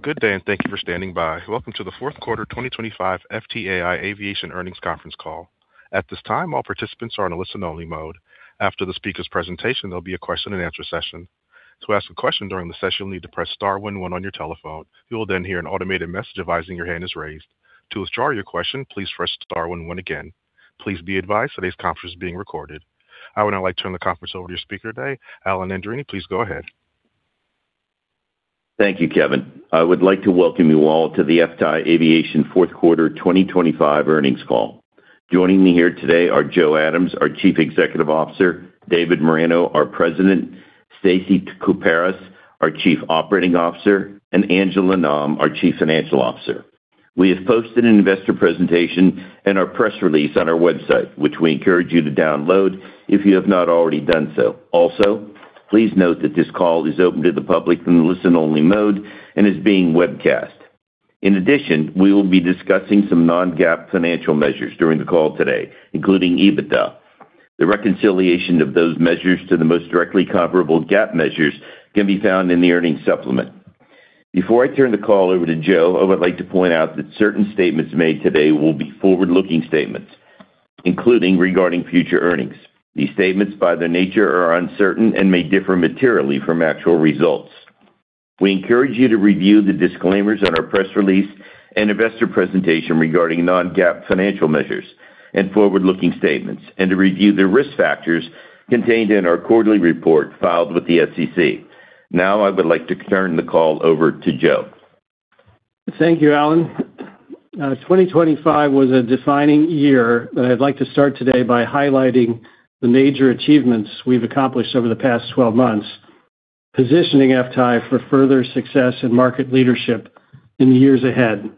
Good day, and thank you for standing by. Welcome to the Fourth Quarter 2025 FTAI Aviation Earnings Conference Call. At this time, all participants are in a listen-only mode. After the speaker's presentation, there'll be a question-and-answer session. To ask a question during the session, you'll need to press star one one on your telephone. You will then hear an automated message advising your hand is raised. To withdraw your question, please press star one one again. Please be advised today's conference is being recorded. I would now like to turn the conference over to your speaker today, Alan Andreini. Please go ahead. Thank you, Kevin. I would like to welcome you all to the FTAI Aviation fourth Quarter 2025 Earnings Call. Joining me here today are Joe Adams, our Chief Executive Officer, David Moreno, our President, Stacy Kuperus, our Chief Operating Officer, and Angela Nam, our Chief Financial Officer. We have posted an investor presentation and our press release on our website, which we encourage you to download if you have not already done so. Also, please note that this call is open to the public in a listen-only mode and is being webcast. In addition, we will be discussing some non-GAAP financial measures during the call today, including EBITDA. The reconciliation of those measures to the most directly comparable GAAP measures can be found in the earnings supplement. Before I turn the call over to Joe, I would like to point out that certain statements made today will be forward-looking statements, including regarding future earnings. These statements, by their nature, are uncertain and may differ materially from actual results. We encourage you to review the disclaimers on our press release and investor presentation regarding non-GAAP financial measures and forward-looking statements, and to review the risk factors contained in our quarterly report filed with the SEC. Now, I would like to turn the call over to Joe. Thank you, Alan. 2025 was a defining year, and I'd like to start today by highlighting the major achievements we've accomplished over the past 12 months, positioning FTAI for further success and market leadership in the years ahead.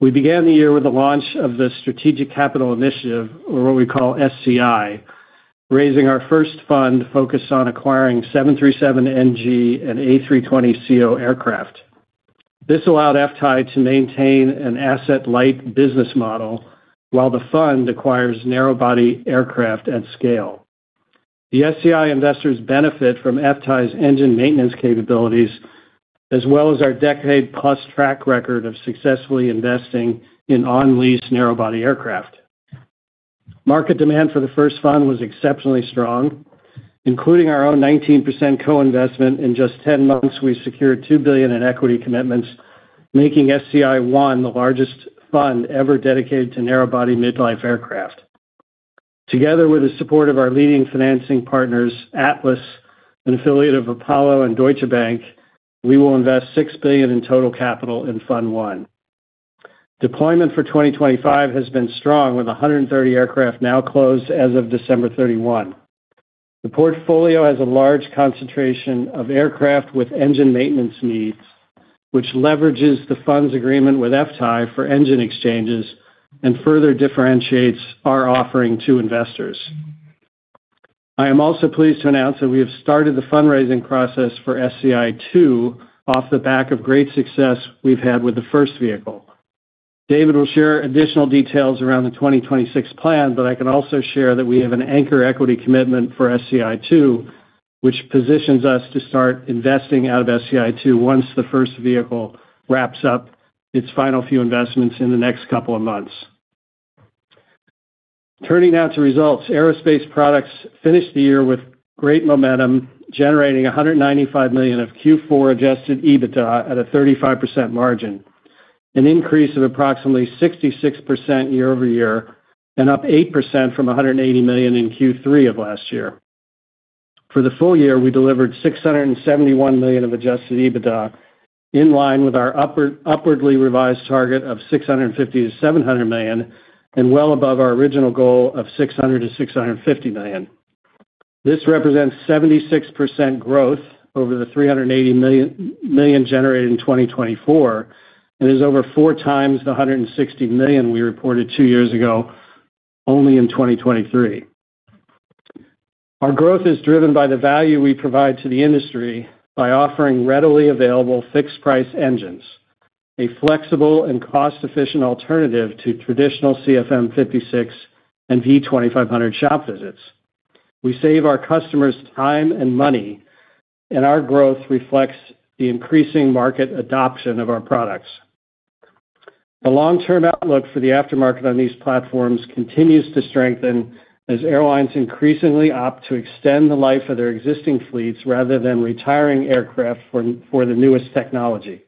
We began the year with the launch of the Strategic Capital Initiative, or what we call SCI, raising our first fund focused on acquiring 737 NG and A320ceo aircraft. This allowed FTAI to maintain an asset-light business model, while the fund acquires narrow-body aircraft at scale. The SCI investors benefit from FTAI's engine maintenance capabilities, as well as our decade-plus track record of successfully investing in on-lease narrow-body aircraft. Market demand for the first fund was exceptionally strong, including our own 19% co-investment. In just 10 months, we secured $2 billion in equity commitments, making SCI One the largest fund ever dedicated to narrow-body midlife aircraft. Together with the support of our leading financing partners, Atlas, an affiliate of Apollo and Deutsche Bank, we will invest $6 billion in total capital in Fund One. Deployment for 2025 has been strong, with 130 aircraft now closed as of December 31. The portfolio has a large concentration of aircraft with engine maintenance needs, which leverages the fund's agreement with FTAI for engine exchanges and further differentiates our offering to investors. I am also pleased to announce that we have started the fundraising process for SCI Two off the back of great success we've had with the first vehicle. David will share additional details around the 2026 plan, but I can also share that we have an anchor equity commitment for SCI Two, which positions us to start investing out of SCI Two once the first vehicle wraps up its final few investments in the next couple of months. Turning now to results. Aerospace products finished the year with great momentum, generating $195 million of Q4 adjusted EBITDA at a 35% margin, an increase of approximately 66% year-over-year and up 8% from $180 million in Q3 of last year. For the full year, we delivered $671 million of adjusted EBITDA, in line with our upwardly revised target of $650 million to $700 million, and well above our original goal of $600 million to $650 million. This represents 76% growth over the $380 million generated in 2024 and is over four times the $160 million we reported two years ago, only in 2023. Our growth is driven by the value we provide to the industry by offering readily available fixed-price engines, a flexible and cost-efficient alternative to traditional CFM56 and V2500 shop visits. We save our customers time and money, and our growth reflects the increasing market adoption of our products. The long-term outlook for the aftermarket on these platforms continues to strengthen as airlines increasingly opt to extend the life of their existing fleets rather than retiring aircraft for the newest technology.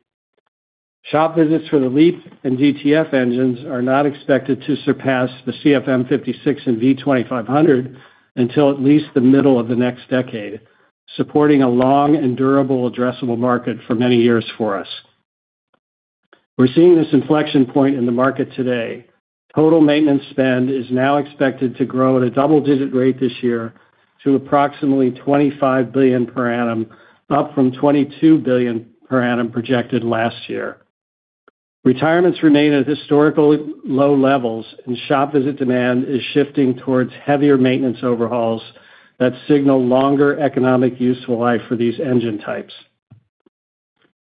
Shop visits for the LEAP and GTF engines are not expected to surpass the CFM56 and V2500 until at least the middle of the next decade, supporting a long and durable addressable market for many years for us. We're seeing this inflection point in the market today. Total maintenance spend is now expected to grow at a double-digit rate this year to approximately $25 billion per annum, up from $22 billion per annum projected last year. Retirements remain at historically low levels, and shop visit demand is shifting towards heavier maintenance overhauls that signal longer economic useful life for these engine types.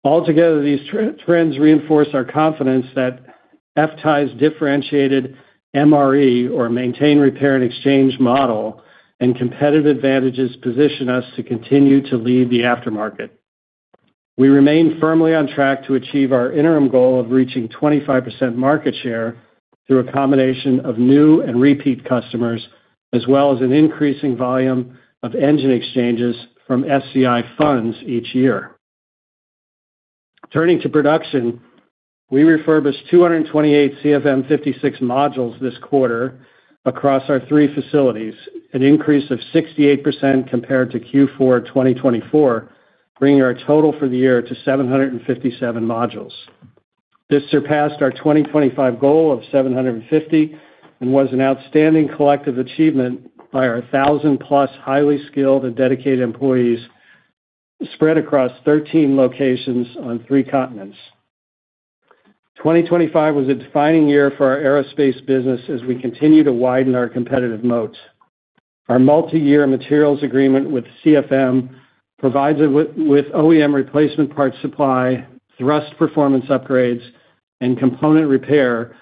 Altogether, these trends reinforce our confidence that FTAI's differentiated MRE, or Maintain, Repair, and Exchange model, and competitive advantages position us to continue to lead the aftermarket. We remain firmly on track to achieve our interim goal of reaching 25% market share through a combination of new and repeat customers, as well as an increasing volume of engine exchanges from SCI funds each year. Turning to production, we refurbished 228 CFM56 modules this quarter across our three facilities, an increase of 68% compared to Q4 2024, bringing our total for the year to 757 modules. This surpassed our 2025 goal of 750 and was an outstanding collective achievement by our 1,000+ highly skilled and dedicated employees, spread across 13 locations on three continents. 2025 was a defining year for our aerospace business as we continue to widen our competitive moats. Our multiyear materials agreement with CFM provides us with OEM replacement parts supply, thrust performance upgrades, and component repair,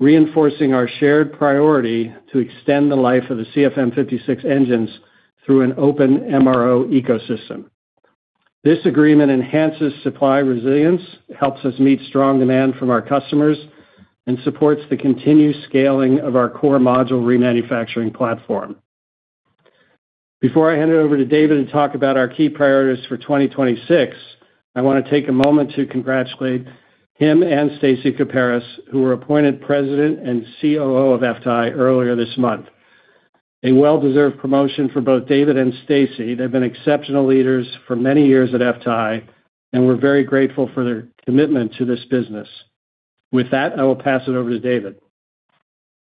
reinforcing our shared priority to extend the life of the CFM56 engines through an open MRO ecosystem. This agreement enhances supply resilience, helps us meet strong demand from our customers, and supports the continued scaling of our core module remanufacturing platform. Before I hand it over to David to talk about our key priorities for 2026, I want to take a moment to congratulate him and Stacy Kuperus, who were appointed President and COO of FTAI earlier this month. A well-deserved promotion for both David and Stacy. They've been exceptional leaders for many years at FTAI, and we're very grateful for their commitment to this business. With that, I will pass it over to David.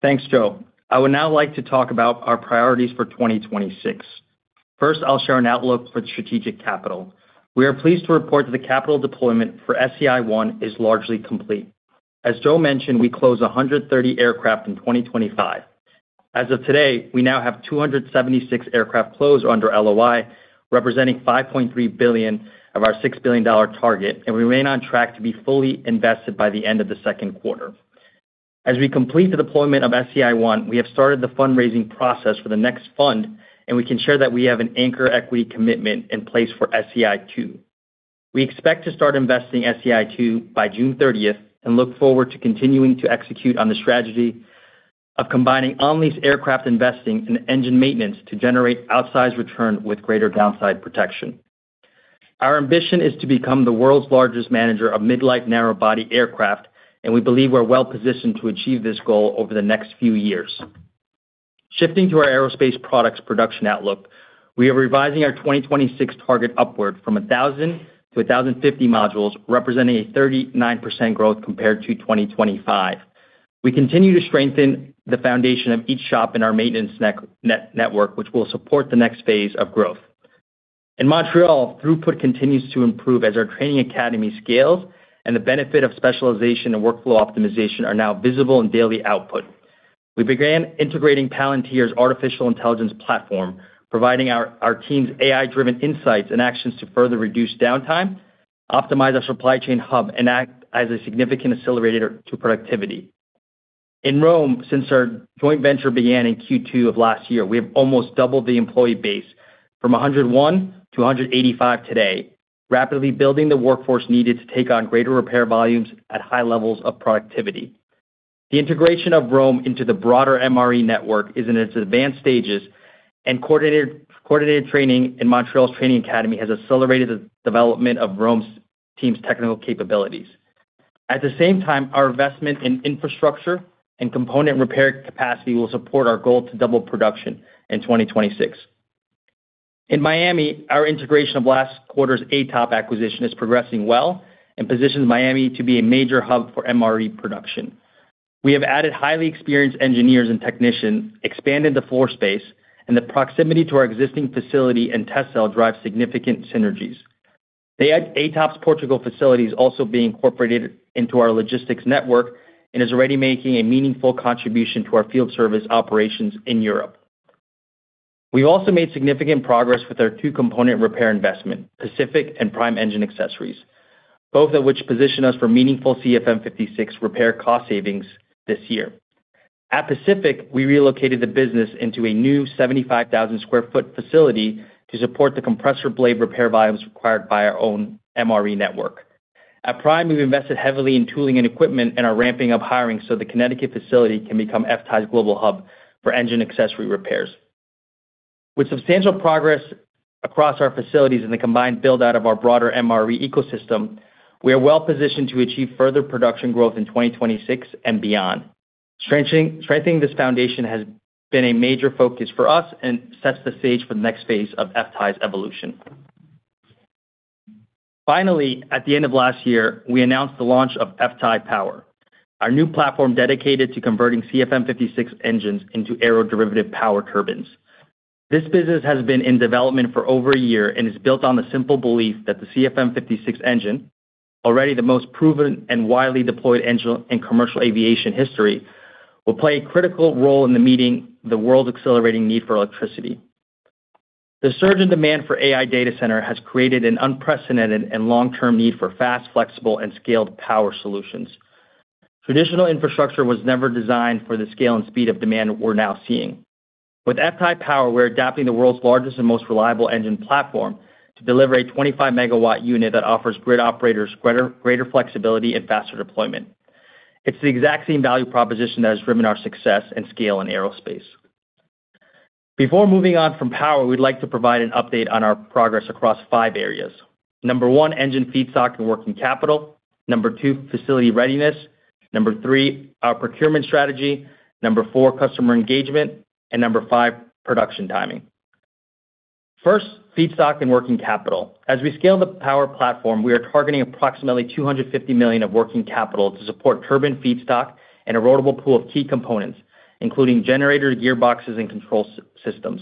Thanks, Joe. I would now like to talk about our priorities for 2026. First, I'll share an outlook for the strategic capital. We are pleased to report that the capital deployment for SCI One is largely complete. As Joe mentioned, we closed 130 aircraft in 2025. As of today, we now have 276 aircraft closed under LOI, representing $5.3 billion of our $6 billion target, and we remain on track to be fully invested by the end of the second quarter. As we complete the deployment of SCI One, we have started the fundraising process for the next fund, and we can share that we have an anchor equity commitment in place for SCI Two. We expect to start investing SCI Two by June 30th and look forward to continuing to execute on the strategy of combining on these aircraft, investing in engine maintenance to generate outsized return with greater downside protection. Our ambition is to become the world's largest manager of mid-life narrow-body aircraft, and we believe we're well positioned to achieve this goal over the next few years. Shifting to our aerospace products production outlook, we are revising our 2026 target upward from 1,000 to 1,050 modules, representing a 39% growth compared to 2025. We continue to strengthen the foundation of each shop in our maintenance network, which will support the next phase of growth. In Montreal, throughput continues to improve as our training academy scales, and the benefit of specialization and workflow optimization are now visible in daily output. We began integrating Palantir's artificial intelligence platform, providing our team's AI-driven insights and actions to further reduce downtime, optimize our supply chain hub, and act as a significant accelerator to productivity. In Rome, since our joint venture began in Q2 of last year, we have almost doubled the employee base from 101 to 185 today, rapidly building the workforce needed to take on greater repair volumes at high levels of productivity. The integration of Rome into the broader MRE network is in its advanced stages, and coordinated training in Montreal's training academy has accelerated the development of Rome's team's technical capabilities. At the same time, our investment in infrastructure and component repair capacity will support our goal to double production in 2026. In Miami, our integration of last quarter's ATOP acquisition is progressing well and positions Miami to be a major hub for MRE production. The proximity to our existing facility and test cell drives significant synergies. The ATOP's Portugal facility is also being incorporated into our logistics network and is already making a meaningful contribution to our field service operations in Europe. We've also made significant progress with our two-component repair investment, Pacific and Prime Engine Accessories, both of which position us for meaningful CFM56 repair cost savings this year. At Pacific, we relocated the business into a new 75,000 sq ft facility to support the compressor blade repair volumes required by our own MRE network. At Prime, we've invested heavily in tooling and equipment and are ramping up hiring so the Connecticut facility can become FTAI's global hub for engine accessory repairs. With substantial progress across our facilities and the combined build-out of our broader MRE ecosystem, we are well positioned to achieve further production growth in 2026 and beyond. Strengthening this foundation has been a major focus for us and sets the stage for the next phase of FTAI's evolution. At the end of last year, we announced the launch of FTAI Power, our new platform dedicated to converting CFM56 engines into aeroderivative power turbines. This business has been in development for over a year and is built on the simple belief that the CFM56 engine, already the most proven and widely deployed engine in commercial aviation history, will play a critical role in the meeting the world's accelerating need for electricity. The surge in demand for AI data center has created an unprecedented and long-term need for fast, flexible, and scaled power solutions. Traditional infrastructure was never designed for the scale and speed of demand we're now seeing. With FTAI Power, we're adapting the world's largest and most reliable engine platform to deliver a 25 MW unit that offers grid operators greater flexibility and faster deployment. It's the exact same value proposition that has driven our success and scale in aerospace. Before moving on from power, we'd like to provide an update on our progress across five areas. Number one, engine feedstock and working capital. Number two, facility readiness. Number three, our procurement strategy. Number four, customer engagement. Number five, production timing. First, feedstock and working capital. As we scale the power platform, we are targeting approximately $250 million of working capital to support turbine feedstock and a rotable pool of key components, including generator, gearboxes, and control systems.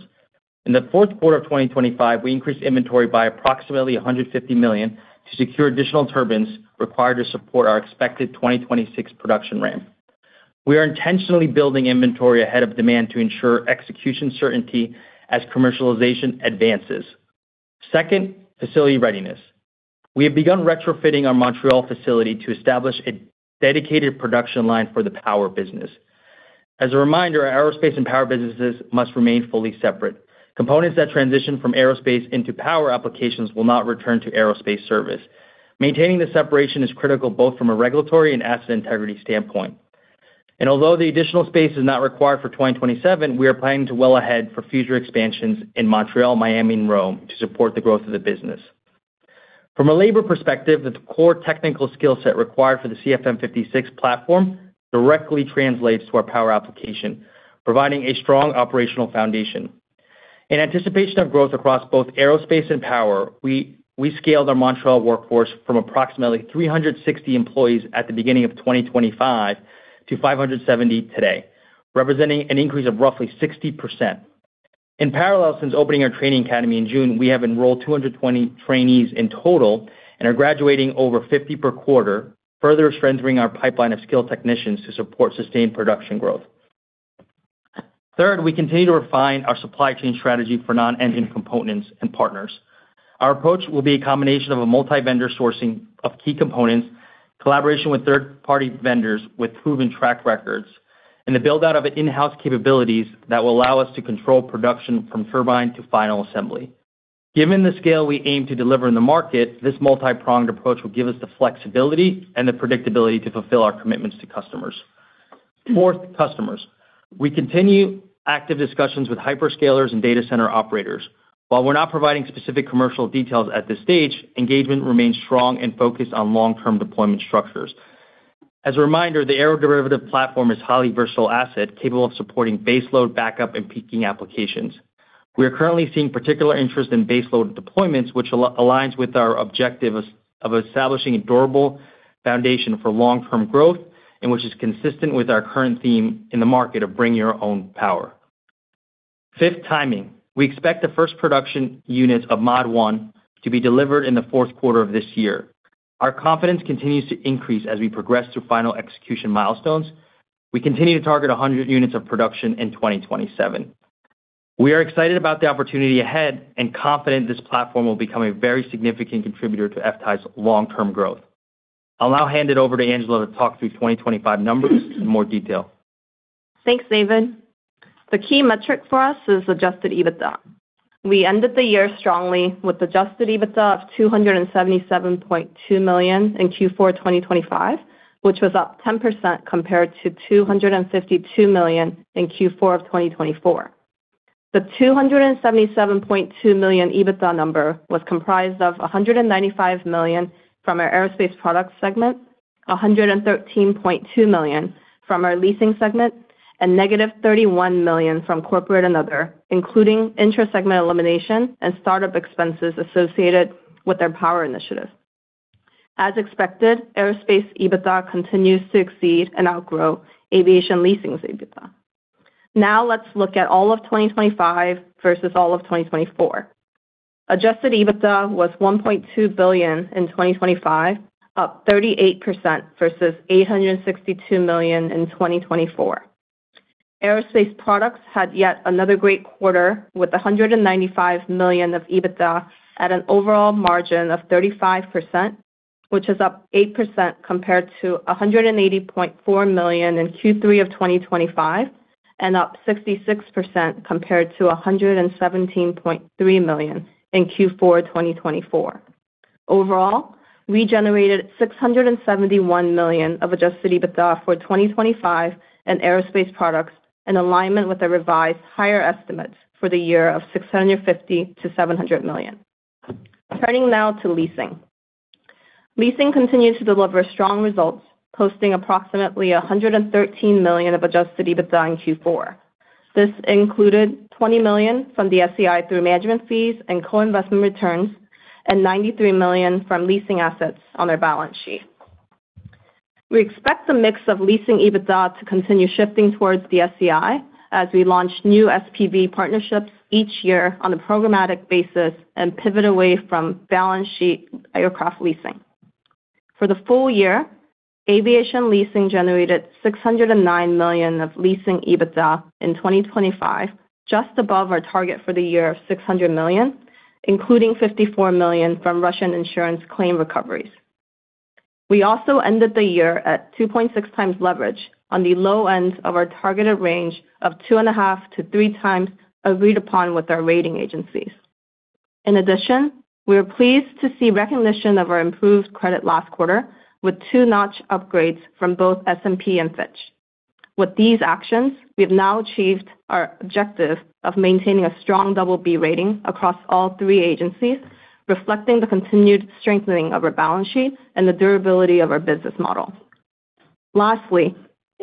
In the fourth quarter of 2025, we increased inventory by approximately $150 million to secure additional turbines required to support our expected 2026 production ramp. We are intentionally building inventory ahead of demand to ensure execution certainty as commercialization advances. Second, facility readiness. We have begun retrofitting our Montreal facility to establish a dedicated production line for the power business. As a reminder, our aerospace and power businesses must remain fully separate. Components that transition from aerospace into power applications will not return to aerospace service. Maintaining the separation is critical, both from a regulatory and asset integrity standpoint. Although the additional space is not required for 2027, we are planning to well ahead for future expansions in Montreal, Miami, and Rome to support the growth of the business. From a labor perspective, the core technical skill set required for the CFM56 platform directly translates to our power application, providing a strong operational foundation. In anticipation of growth across both aerospace and power, we scaled our Montreal workforce from approximately 360 employees at the beginning of 2025 to 570 today, representing an increase of roughly 60%. In parallel, since opening our training academy in June, we have enrolled 220 trainees in total and are graduating over 50 per quarter, further strengthening our pipeline of skilled technicians to support sustained production growth. Third, we continue to refine our supply chain strategy for non-engine components and partners. Our approach will be a combination of a multi-vendor sourcing of key components, collaboration with third-party vendors with proven track records, and the build-out of in-house capabilities that will allow us to control production from turbine to final assembly. Given the scale we aim to deliver in the market, this multi-pronged approach will give us the flexibility and the predictability to fulfill our commitments to customers. Fourth, customers. We continue active discussions with hyperscalers and data center operators. While we're not providing specific commercial details at this stage, engagement remains strong and focused on long-term deployment structures. As a reminder, the aeroderivative platform is a highly versatile asset, capable of supporting baseload, backup, and peaking applications. We are currently seeing particular interest in baseload deployments, which aligns with our objective of establishing a durable foundation for long-term growth and which is consistent with our current theme in the market of bring your own power. Fifth, timing. We expect the first production units of Mod-1 to be delivered in the fourth quarter of this year. Our confidence continues to increase as we progress through final execution milestones. We continue to target 100 units of production in 2027. We are excited about the opportunity ahead and confident this platform will become a very significant contributor to FTAI's long-term growth. I'll now hand it over to Angela to talk through 2025 numbers in more detail. Thanks, David. The key metric for us is adjusted EBITDA. We ended the year strongly with adjusted EBITDA of $277.2 million in Q4 2025, which was up 10% compared to $252 million in Q4 of 2024. The $277.2 million EBITDA number was comprised of $195 million from our aerospace products segment, $113.2 million from our leasing segment, and negative $31 million from corporate and other, including intra-segment elimination and startup expenses associated with our power initiative. As expected, aerospace EBITDA continues to exceed and outgrow aviation leasing EBITDA. Let's look at all of 2025 versus all of 2024. Adjusted EBITDA was $1.2 billion in 2025, up 38% versus $862 million in 2024. Aerospace products had yet another great quarter, with $195 million of EBITDA at an overall margin of 35%, which is up 8% compared to $180.4 million in Q3 2025, and up 66% compared to $117.3 million in Q4 2024. Overall, we generated $671 million of adjusted EBITDA for 2025 in aerospace products, in alignment with the revised higher estimates for the year of $650 million to $700 million. Turning now to leasing. Leasing continues to deliver strong results, posting approximately $113 million of adjusted EBITDA in Q4. This included $20 million from the SCI through management fees and co-investment returns, and $93 million from leasing assets on our balance sheet. We expect the mix of leasing EBITDA to continue shifting towards the SCI as we launch new SPV partnerships each year on a programmatic basis and pivot away from balance sheet aircraft leasing. For the full year, Aviation Leasing generated $609 million of leasing EBITDA in 2025, just above our target for the year of $600 million, including $54 million from Russian insurance claim recoveries. We also ended the year at 2.6× leverage on the low end of our targeted range of 2.5-3× agreed upon with our rating agencies. In addition, we are pleased to see recognition of our improved credit last quarter, with two notch upgrades from both S&P and Fitch. With these actions, we've now achieved our objective of maintaining a strong BB rating across all three agencies, reflecting the continued strengthening of our balance sheet and the durability of our business model. Lastly,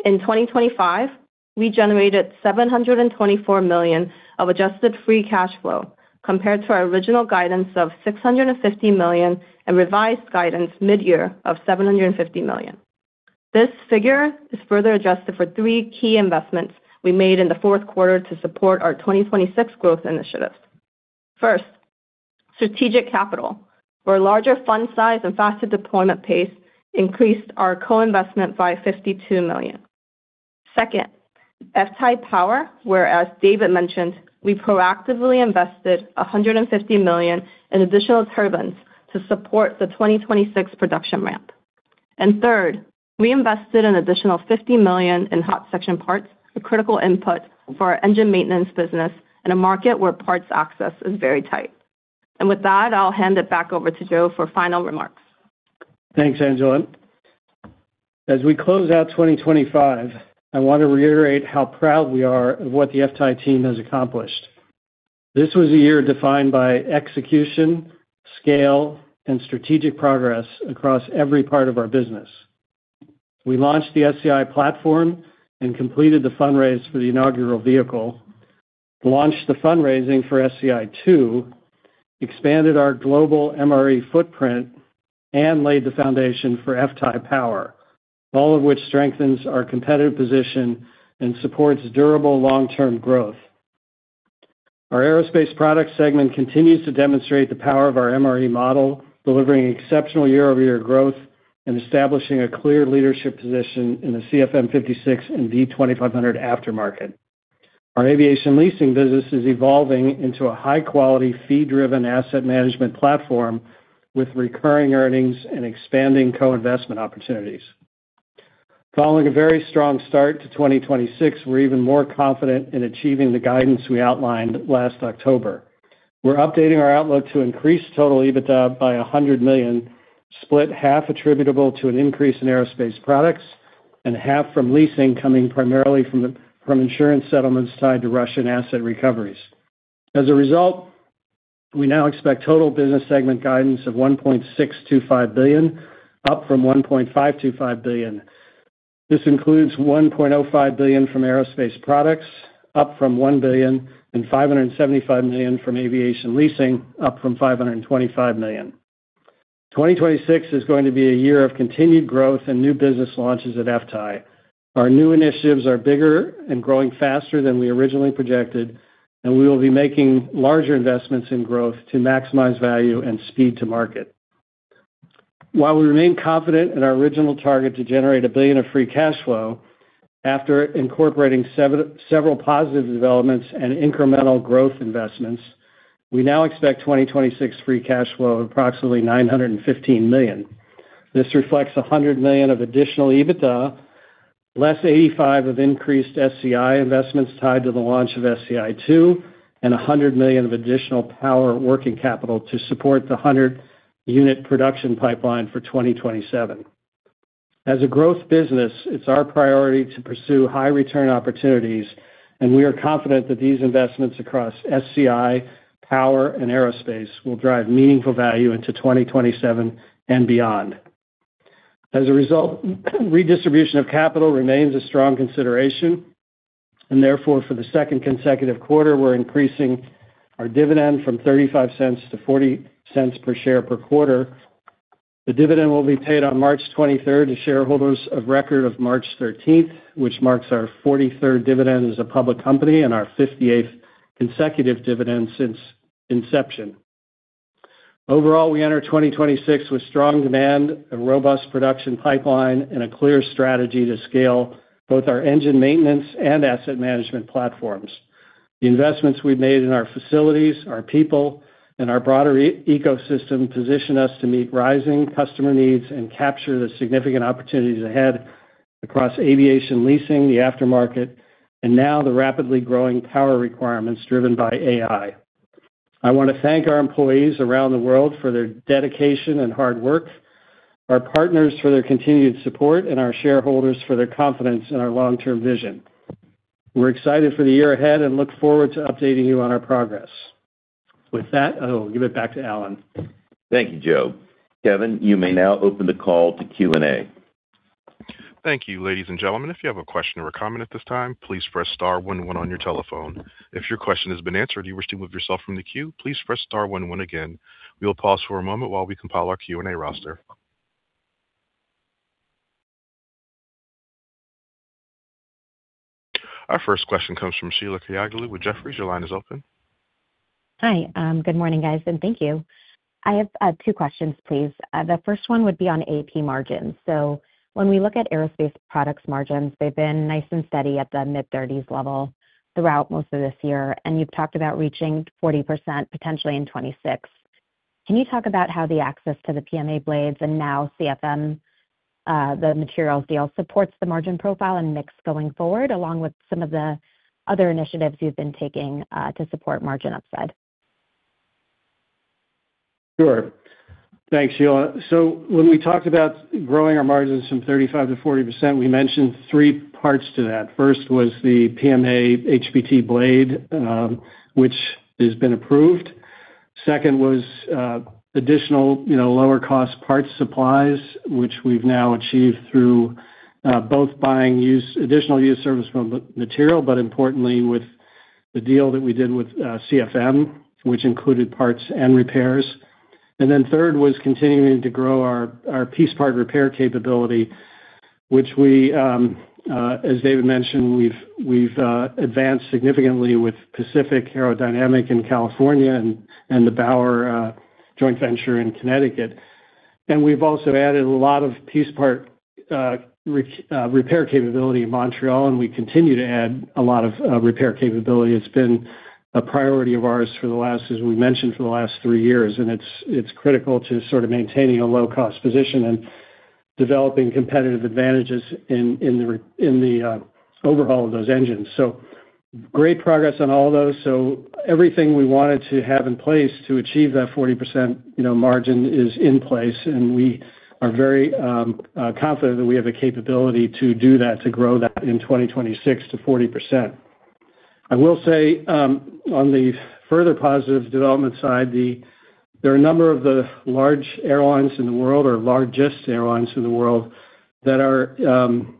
in 2025, we generated $724 million of adjusted free cash flow, compared to our original guidance of $650 million, and revised guidance mid-year of $750 million. This figure is further adjusted for three key investments we made in the fourth quarter to support our 2026 growth initiatives. First, Strategic Capital, where larger fund size and faster deployment pace increased our co-investment by $52 million. Second, FTAI Power, where, as David mentioned, we proactively invested $150 million in additional turbines to support the 2026 production ramp. Third, we invested an additional $50 million in hot section parts, a critical input for our engine maintenance business in a market where parts access is very tight. With that, I'll hand it back over to Joe for final remarks. Thanks, Angela Nam. As we close out 2025, I want to reiterate how proud we are of what the FTAI team has accomplished. This was a year defined by execution, scale, and strategic progress across every part of our business. We launched the SCI platform and completed the fundraise for the inaugural vehicle, launched the fundraising for SCI Two, expanded our global MRE footprint, and laid the foundation for FTAI Power, all of which strengthens our competitive position and supports durable long-term growth. Our aerospace products segment continues to demonstrate the power of our MRE model, delivering exceptional year-over-year growth and establishing a clear leadership position in the CFM56 and V2500 aftermarket. Our aviation leasing business is evolving into a high-quality, fee-driven asset management platform with recurring earnings and expanding co-investment opportunities. Following a very strong start to 2026, we're even more confident in achieving the guidance we outlined last October. We're updating our outlook to increase total EBITDA by $100 million, split half attributable to an increase in aerospace products and half from leasing, coming primarily from insurance settlements tied to Russian asset recoveries. As a result, we now expect total business segment guidance of $1.625 billion, up from $1.525 billion. This includes $1.05 billion from aerospace products, up from $1 billion, and $575 million from aviation leasing, up from $525 million. 2026 is going to be a year of continued growth and new business launches at FTAI. Our new initiatives are bigger and growing faster than we originally projected. We will be making larger investments in growth to maximize value and speed to market. While we remain confident in our original target to generate $1 billion of free cash flow, after incorporating several positive developments and incremental growth investments, we now expect 2026 free cash flow of approximately $915 million. This reflects $100 million of additional EBITDA, less $85 million of increased SCI investments tied to the launch of SCI Two, and $100 million of additional power working capital to support the 100-unit production pipeline for 2027. As a growth business, it's our priority to pursue high-return opportunities, and we are confident that these investments across SCI, Power, and Aerospace will drive meaningful value into 2027 and beyond. As a result, redistribution of capital remains a strong consideration, and therefore, for the second consecutive quarter, we're increasing our dividend from $0.35 to $0.40 per share per quarter. The dividend will be paid on 23 March to shareholders of record of 13th March, which marks our 43rd dividend as a public company and our 58th consecutive dividend since inception. Overall, we enter 2026 with strong demand, a robust production pipeline, and a clear strategy to scale both our engine maintenance and asset management platforms. The investments we've made in our facilities, our people, and our broader e-ecosystem position us to meet rising customer needs and capture the significant opportunities ahead across aviation leasing, the aftermarket, and now the rapidly growing power requirements driven by AI. I want to thank our employees around the world for their dedication and hard work, our partners for their continued support, and our shareholders for their confidence in our long-term vision. We're excited for the year ahead and look forward to updating you on our progress. With that, I will give it back to Alan. Thank you, Joe. Kevin, you may now open the call to Q&A. Thank you, ladies and gentlemen. If you have a question or a comment at this time, please press star one one on your telephone. If your question has been answered, or you wish to remove yourself from the queue, please press star one one again. We will pause for a moment while we compile our Q&A roster. Our first question comes from Sheila Kahyaoglu with Jefferies. Your line is open. Hi, good morning, guys, thank you. I have two questions, please. The first one would be on AP margins. When we look at aerospace products margins, they've been nice and steady at the mid-thirties level throughout most of this year, you've talked about reaching 40% potentially in 2026. Can you talk about how the access to the PMA blades and now CFM, the materials deal, supports the margin profile and mix going forward, along with some of the other initiatives you've been taking to support margin upside? Sure. Thanks, Sheila. When we talked about growing our margins from 35% to 40%, we mentioned three parts to that. First was the PMA HPT blade, which has been approved. Second was additional, you know, lower-cost parts supplies, which we've now achieved through both buying additional used service from material, but importantly, with the deal that we did with CFM, which included parts and repairs. Third was continuing to grow our piece part repair capability, which we, as David mentioned, we've advanced significantly with Pacific Aerodynamic in California and the Bauer joint venture in Connecticut. We've also added a lot of piece part repair capability in Montreal, and we continue to add a lot of repair capability. It's been a priority of ours for the last, as we mentioned, for the last three years, and it's critical to sort of maintaining a low-cost position and developing competitive advantages in the overhaul of those engines. Great progress on all those. Everything we wanted to have in place to achieve that 40%, you know, margin is in place, and we are very confident that we have the capability to do that, to grow that in 2026 to 40%. I will say, on the further positive development side, there are a number of the large airlines in the world, or largest airlines in the world, that are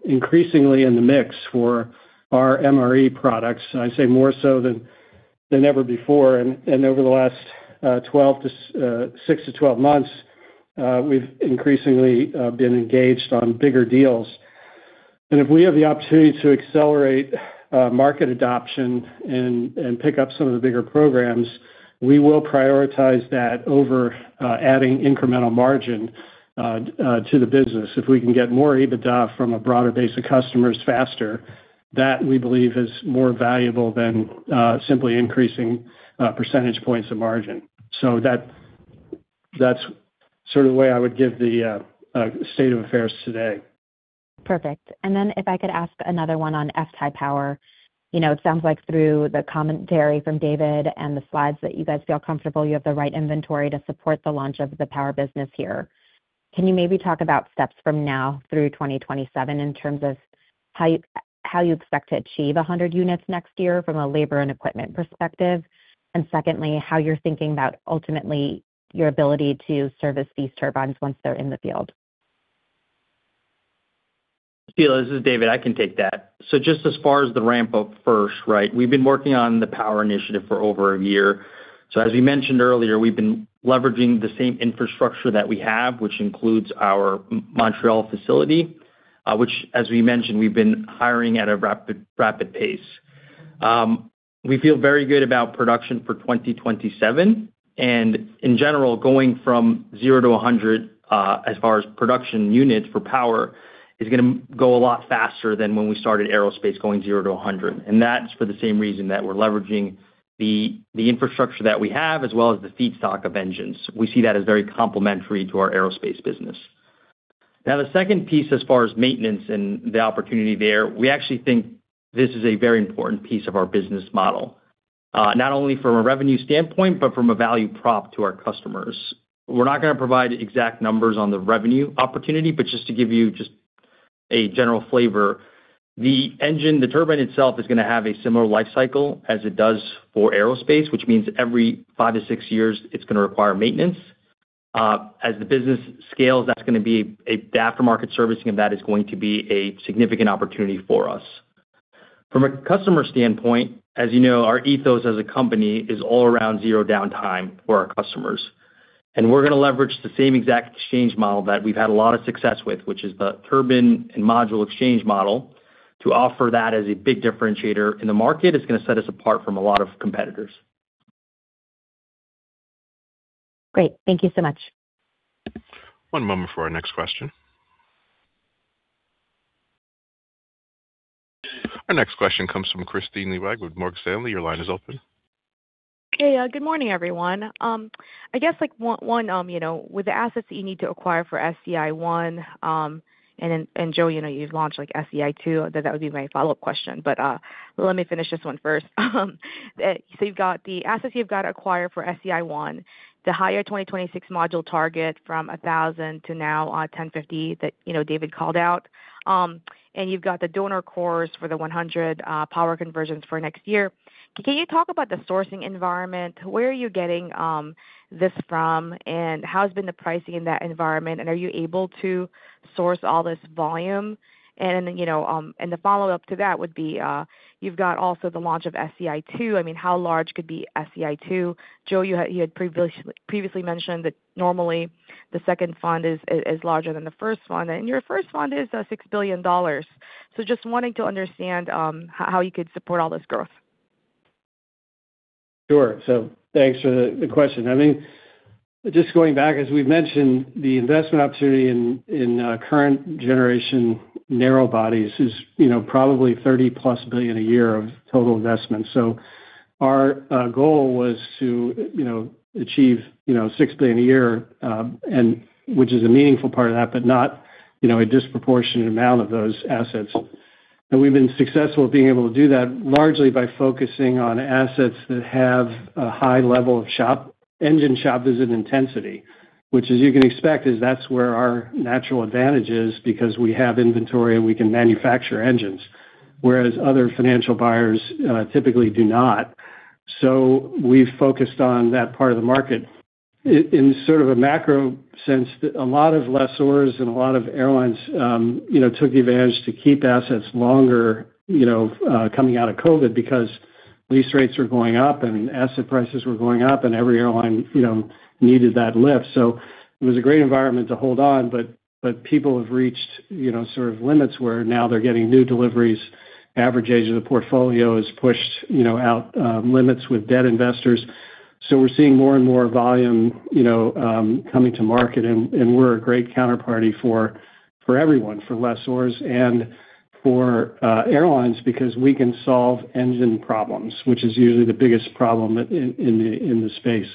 increasingly in the mix for our MRE products. I'd say more so than ever before, and over the last six to 12 months, we've increasingly been engaged on bigger deals. If we have the opportunity to accelerate market adoption and pick up some of the bigger programs, we will prioritize that over adding incremental margin to the business. If we can get more EBITDA from a broader base of customers faster, that we believe is more valuable than simply increasing percentage points of margin. That, that's sort of the way I would give the state of affairs today. Perfect. If I could ask another one on FTAI Power. You know, it sounds like through the commentary from David and the slides, that you guys feel comfortable you have the right inventory to support the launch of the power business here. Can you maybe talk about steps from now through 2027 in terms of how you expect to achieve 100 units next year from a labor and equipment perspective? Secondly, how you're thinking about ultimately your ability to service these turbines once they're in the field. Sheila, this is David. I can take that. Just as far as the ramp-up first, right? We've been working on the power initiative for over a year. As we mentioned earlier, we've been leveraging the same infrastructure that we have, which includes our Montreal facility, which, as we mentioned, we've been hiring at a rapid pace. We feel very good about production for 2027, and in general, going from zero to 100, as far as production units for power, is gonna go a lot faster than when we started aerospace going zero to 100. That's for the same reason, that we're leveraging the infrastructure that we have, as well as the feedstock of engines. We see that as very complementary to our aerospace business. The second piece, as far as maintenance and the opportunity there, we actually think this is a very important piece of our business model, not only from a revenue standpoint, but from a value prop to our customers. We're not going to provide exact numbers on the revenue opportunity, but just to give you just a general flavor, the engine, the turbine itself is going to have a similar life cycle as it does for aerospace, which means every five to six years, it's going to require maintenance. As the business scales, the aftermarket servicing of that is going to be a significant opportunity for us. From a customer standpoint, as you know, our ethos as a company is all around zero downtime for our customers. We're gonna leverage the same exact exchange model that we've had a lot of success with, which is the turbine and module exchange model, to offer that as a big differentiator in the market. It's gonna set us apart from a lot of competitors. Great. Thank you so much. One moment for our next question. Our next question comes from Kristine Liwag with Morgan Stanley. Your line is open. Hey, good morning, everyone. I guess, like, one, you know, with the assets that you need to acquire for SCI One, and, Joe, you know, you've launched, like, SCI Two, that would be my follow-up question. Let me finish this one first. You've got the assets you've got acquired for SCI One, the higher 2026 module target from 1,000 to now, 1,050, that, you know, David called out. You've got the donor cores for the 100, power conversions for next year. Can you talk about the sourcing environment? Where are you getting, this from, and how has been the pricing in that environment, and are you able to source all this volume? You know, and the follow-up to that would be, you've got also the launch of SCI Two. I mean, how large could be SCI Two? Joe, you had previously mentioned that normally the second fund is larger than the first fund, and your first fund is, $6 billion. Just wanting to understand, how you could support all this growth. Sure. Thanks for the question. I mean, just going back, as we've mentioned, the investment opportunity in current generation narrow bodies is, you know, probably $30+ billion a year of total investment. Our goal was to, you know, achieve, you know, $6 billion a year, and which is a meaningful part of that, but not, you know, a disproportionate amount of those assets. We've been successful at being able to do that, largely by focusing on assets that have a high level of engine shop visit intensity, which, as you can expect, is that's where our natural advantage is, because we have inventory, and we can manufacture engines, whereas other financial buyers, typically do not. We've focused on that part of the market. In a macro sense, a lot of lessors and a lot of airlines, you know, took the advantage to keep assets longer, you know, coming out of COVID, because lease rates were going up, and asset prices were going up, and every airline, you know, needed that lift. It was a great environment to hold on, but people have reached, you know, sort of limits, where now they're getting new deliveries. Average age of the portfolio is pushed, you know, out limits with debt investors. We're seeing more and more volume, you know, coming to market, and we're a great counterparty for everyone, for lessors and for airlines, because we can solve engine problems, which is usually the biggest problem in the space.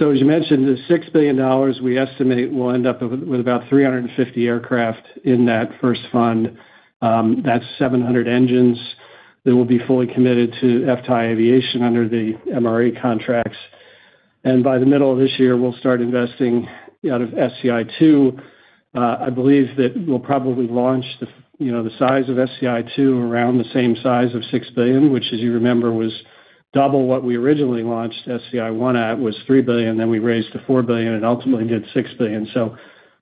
As you mentioned, the $6 billion, we estimate, will end up with about 350 aircraft in that first fund. That's 700 engines that will be fully committed to FTAI Aviation under the MRA contracts. By the middle of this year, we'll start investing out of SCI 2. I believe that we'll probably launch the, you know, the size of SCI 2 around the same size of $6 billion, which, as you remember, was double what we originally launched SCI 1 at, was $3 billion, then we raised to $4 billion and ultimately did $6 billion.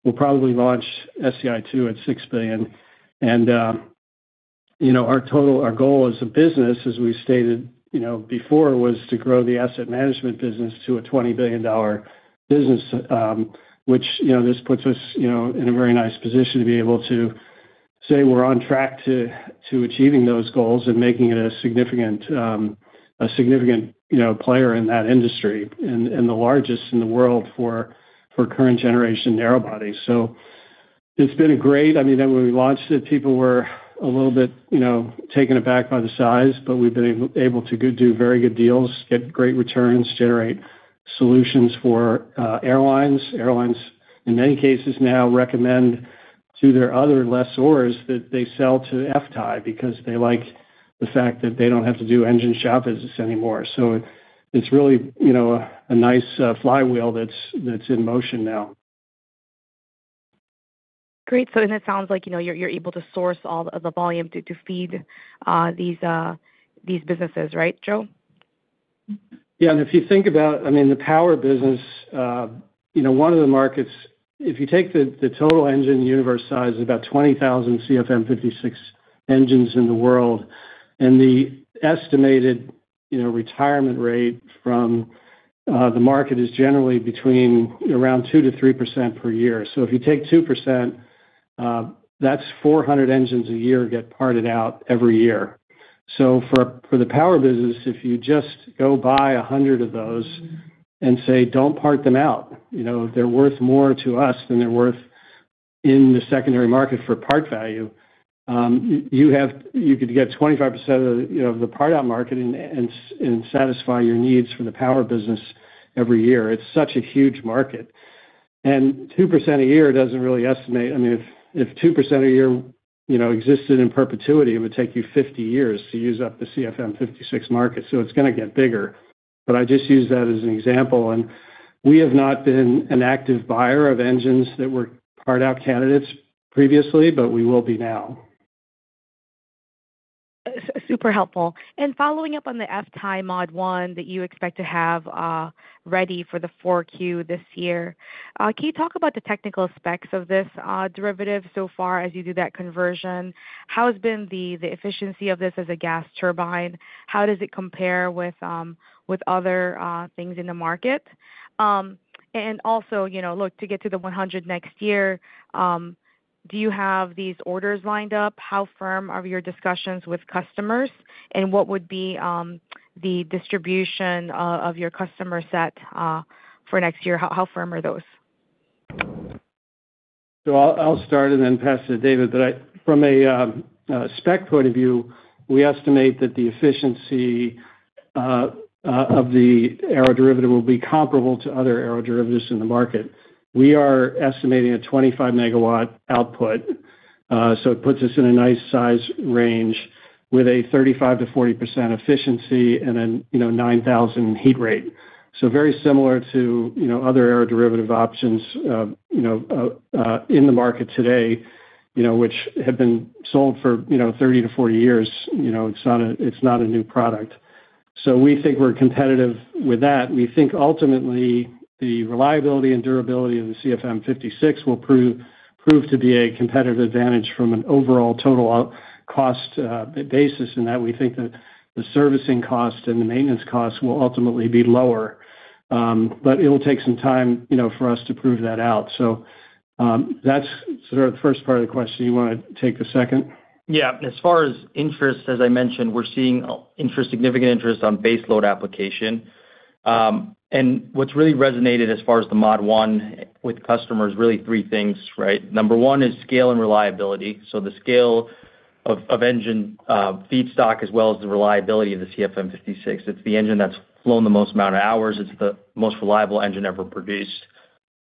We'll probably launch SCI 2 at $6 billion. Our goal as a business, as we stated, you know, before, was to grow the asset management business to a $20 billion business, which, you know, this puts us, you know, in a very nice position to be able to say we're on track to achieving those goals and making it a significant, a significant, you know, player in that industry and the largest in the world for current generation narrow bodies. It's been a great. I mean, when we launched it, people were a little bit, you know, taken aback by the size, but we've been able to go do very good deals, get great returns, generate solutions for airlines. Airlines, in many cases now, recommend to their other lessors that they sell to FTAI because they like the fact that they don't have to do engine shop visits anymore. It's really, you know, a nice flywheel that's in motion now. Great. It sounds like, you know, you're able to source all of the volume to feed these businesses, right, Joe? Yeah, if you think about, I mean, the power business, you know, one of the markets, if you take the total engine universe size, is about 20,000 CFM56 engines in the world, the estimated, you know, retirement rate from the market is generally between around 2%-3% per year. If you take 2%, that's 400 engines a year get parted out every year. For the power business, if you just go buy 100 of those and say, "Don't part them out," you know, they're worth more to us than they're worth in the secondary market for part value You could get 25% of the, you know, of the part-out market and satisfy your needs for the power business every year. It's such a huge market 2% a year doesn't really estimate. I mean, if 2% a year, you know, existed in perpetuity, it would take you 50 years to use up the CFM56 market, so it's gonna get bigger. I just use that as an example, and we have not been an active buyer of engines that were part-out candidates previously, but we will be now. Super helpful. Following up on the FTAI Mod-1 that you expect to have ready for the Q4 this year, can you talk about the technical specs of this derivative so far as you do that conversion? How has been the efficiency of this as a gas turbine? How does it compare with other things in the market? Also, you know, look, to get to the 100 next year, do you have these orders lined up? How firm are your discussions with customers, and what would be the distribution of your customer set for next year? How firm are those? I'll start and then pass it to David. From a spec point of view, we estimate that the efficiency of the aeroderivative will be comparable to other aeroderivatives in the market. We are estimating a 25 MW output, so it puts us in a nice size range with a 35%-40% efficiency and then, you know, 9,000 heat rate. Very similar to, you know, other aeroderivative options, you know, in the market today, you know, which have been sold for, you know, 30 to 40 years. You know, it's not a, it's not a new product. We think we're competitive with that. We think ultimately, the reliability and durability of the CFM56 will prove to be a competitive advantage from an overall total out cost basis, in that we think that the servicing cost and the maintenance costs will ultimately be lower. But it'll take some time, you know, for us to prove that out. That's sort of the first part of the question. Do you want to take the second? Yeah. As far as interest, as I mentioned, we're seeing interest, significant interest on baseload application. What's really resonated as far as the Mod-1 with customers, really three things, right? Number one is scale and reliability. The scale of engine feedstock, as well as the reliability of the CFM56. It's the engine that's flown the most amount of hours. It's the most reliable engine ever produced.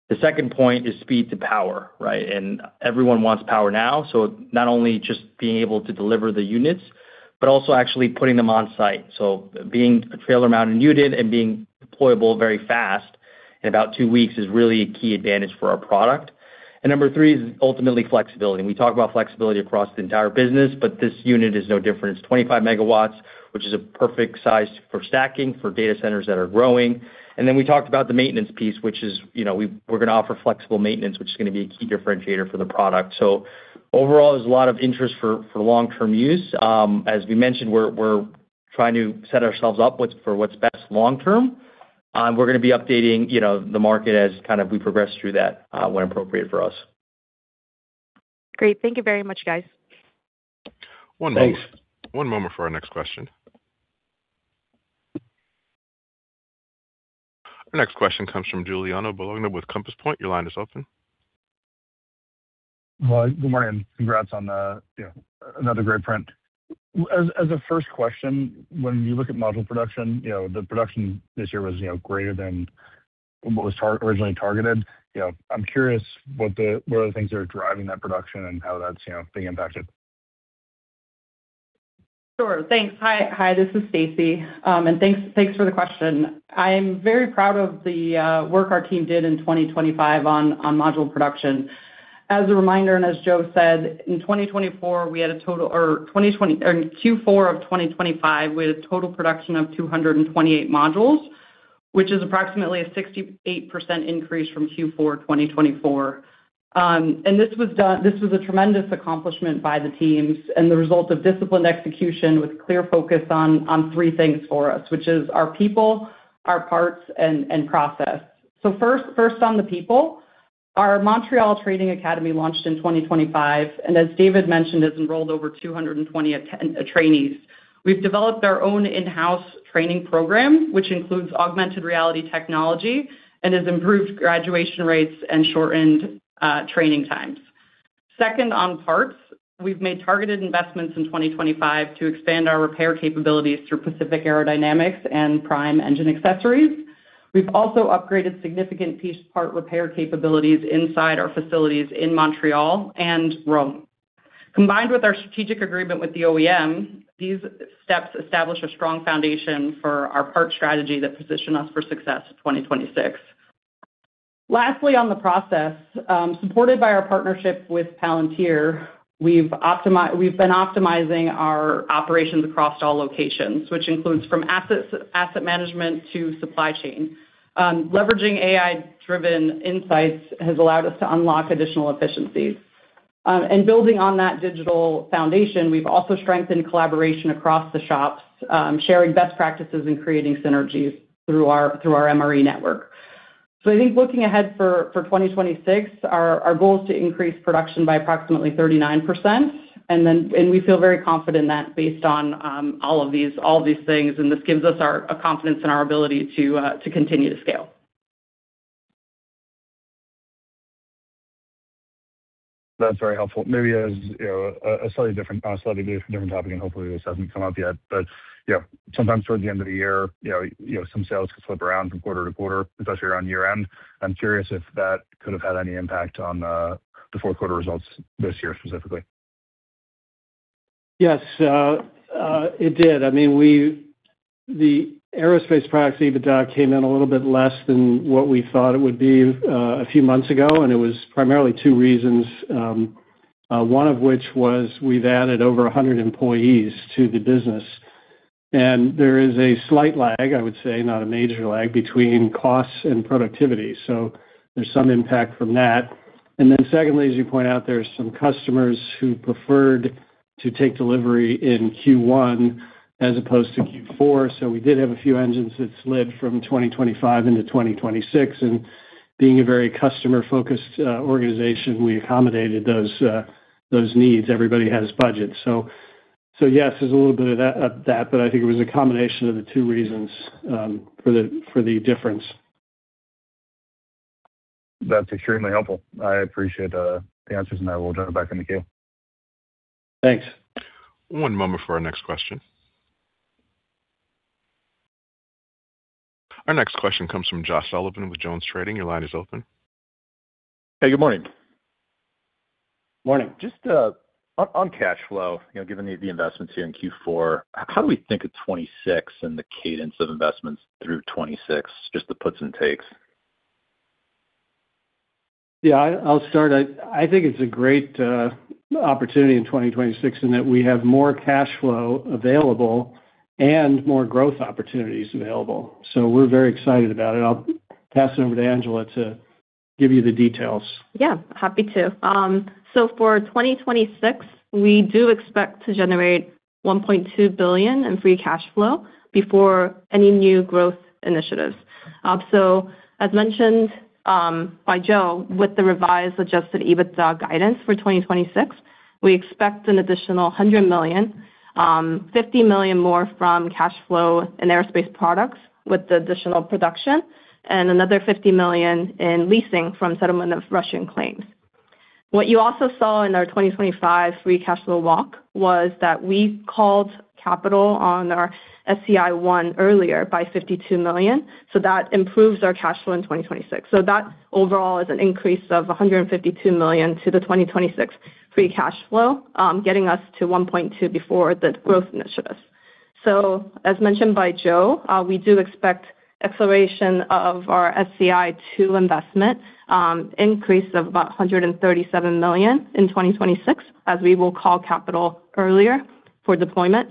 The second point is speed to power, right? Everyone wants power now, not only just being able to deliver the units, but also actually putting them on site. Being a trailer mount unit and being deployable very fast, in about two weeks, is really a key advantage for our product. Number three is ultimately flexibility. We talk about flexibility across the entire business, this unit is no different. It's 25 MW, which is a perfect size for stacking, for data centers that are growing. We talked about the maintenance piece, which is, you know, we're going to offer flexible maintenance, which is going to be a key differentiator for the product. Overall, there's a lot of interest for long-term use. As we mentioned, we're trying to set ourselves up for what's best long term. We're going to be updating, you know, the market as kind of we progress through that when appropriate for us. Great. Thank you very much, guys. Thanks. One moment. One moment for our next question. Our next question comes from Giuliano Bologna with Compass Point. Your line is open. Well, good morning, congrats on, you know, another great print. As a first question, when you look at module production, you know, the production this year was, you know, greater than what was originally targeted. You know, I'm curious what are the things that are driving that production and how that's, you know, being impacted? Sure. Thanks. Hi, this is Stacy, and thanks for the question. I'm very proud of the work our team did in 2025 on module production. As a reminder, and as Joe said, in 2024, we had a total or in Q4 of 2025, we had a total production of 228 modules, which is approximately a 68% increase from Q4, 2024. And this was a tremendous accomplishment by the teams and the result of disciplined execution with clear focus on three things for us, which is our people, our parts, and process. First on the people. Our Montreal Training Academy launched in 2025, and as David mentioned, has enrolled over 220 trainees. We've developed our own in-house training program, which includes augmented reality technology and has improved graduation rates and shortened training times. Second, on parts. We've made targeted investments in 2025 to expand our repair capabilities through Pacific Aerodynamic and Prime Engine Accessories. We've also upgraded significant piece part repair capabilities inside our facilities in Montreal and Rome. Combined with our strategic agreement with the OEM, these steps establish a strong foundation for our parts strategy that position us for success in 2026. Lastly, on the process, supported by our partnership with Palantir, we've been optimizing our operations across all locations, which includes from asset management to supply chain. Leveraging AI-driven insights has allowed us to unlock additional efficiencies. Building on that digital foundation, we've also strengthened collaboration across the shops, sharing best practices and creating synergies through our MRE network. I think looking ahead for 2026, our goal is to increase production by approximately 39%, and we feel very confident in that based on all of these things, and this gives us a confidence in our ability to continue to scale. That's very helpful. Maybe as, you know, a slightly different, slightly different topic, hopefully, this hasn't come up yet, but yeah, sometimes towards the end of the year, you know, some sales can flip around from quarter to quarter, especially around year-end. I'm curious if that could have had any impact on the fourth quarter results this year, specifically? Yes, it did. I mean, the aerospace products, EBITDA, came in a little bit less than what we thought it would be a few months ago. It was primarily two reasons, one of which was we've added over 100 employees to the business. There is a slight lag, I would say, not a major lag, between costs and productivity, so there's some impact from that. Secondly, as you point out, there are some customers who preferred to take delivery in Q1 as opposed to Q4, so we did have a few engines that slid from 2025 into 2026. Being a very customer-focused organization, we accommodated those needs. Everybody has budgets. Yes, there's a little bit of that, but I think it was a combination of the two reasons, for the, for the difference. That's extremely helpful. I appreciate the answers. I will turn it back in the queue. Thanks. One moment for our next question. Our next question comes from Josh Sullivan with JonesTrading. Your line is open. Hey, good morning. Morning. Just, on cash flow, you know, given the investments here in Q4, how do we think of 2026 and the cadence of investments through 2026? Just the puts and takes. Yeah, I'll start. I think it's a great opportunity in 2026, in that we have more cash flow available and more growth opportunities available. We're very excited about it. I'll pass it over to Angela to give you the details. Yeah, happy to. For 2026, we do expect to generate $1.2 billion in free cash flow before any new growth initiatives. As mentioned by Joe, with the revised adjusted EBITDA guidance for 2026, we expect an additional $100 million, $50 million more from cash flow and aerospace products with the additional production, and another $50 million in leasing from settlement of Russian claims. What you also saw in our 2025 free cash flow walk was that we called capital on our SCI One earlier by $52 million, that improves our cash flow in 2026. That overall is an increase of $152 million to the 2026 free cash flow, getting us to $1.2 billion before the growth initiatives. As mentioned by Joe, we do expect acceleration of our SCI Two investment, increase of about $137 million in 2026, as we will call capital earlier for deployment.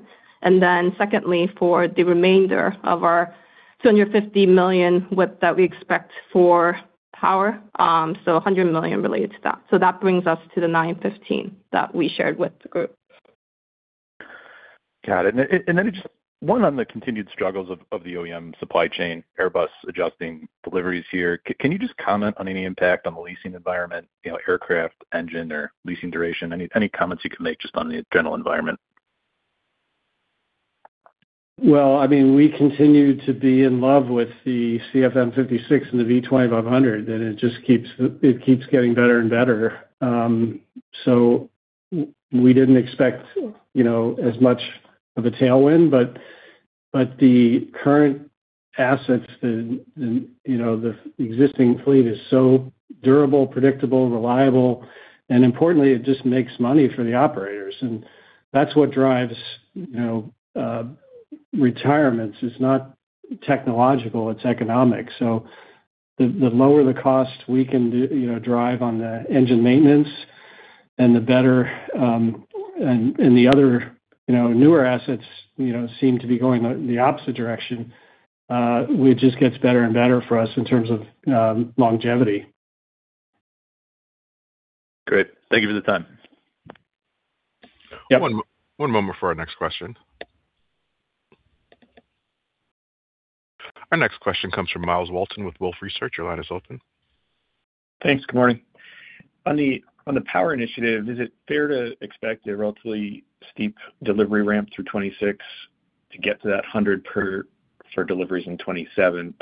Secondly, for the remainder of our $250 million that we expect for power, $100 million related to that. That brings us to the $915 that we shared with the group. Got it. Then just one on the continued struggles of the OEM supply chain, Airbus adjusting deliveries here. Can you just comment on any impact on the leasing environment, you know, aircraft, engine, or leasing duration? Any comments you can make just on the general environment? Well, I mean, we continue to be in love with the CFM56 and the V2500, and it just keeps getting better and better. We didn't expect, you know, as much of a tailwind, but the current assets, the, you know, the existing fleet is so durable, predictable, reliable, and importantly, it just makes money for the operators. That's what drives, you know, retirements. It's not technological, it's economic. The, the lower the cost we can do, you know, drive on the engine maintenance and the better. The other, you know, newer assets, you know, seem to be going the opposite direction, it just gets better and better for us in terms of longevity. Great. Thank you for the time. Yep. One moment for our next question. Our next question comes from Myles Walton with Wolfe Research. Your line is open. Thanks. Good morning. On the power initiative, excuse me, is it fair to expect a relatively steep delivery ramp through 27 to get to the 100 deliveries in 27?